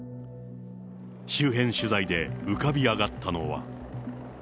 周辺取材で浮かび上がったのは。